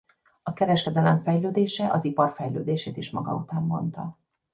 A kereskedelem fejlődése az ipar fejlődését is maga után vonta.